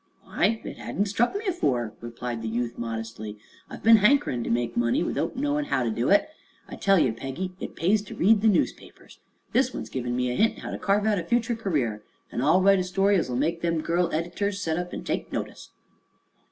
"Why, it hadn't struck me afore," replied the youth, modestly. "I've ben hankerin' to make money, without knowin' how to do it. I tell ye, Peggy, it pays to read the newspapers. This one's give me a hint how to carve out a future career, an' I'll write a story as'll make them girl edyturs set up an' take notice."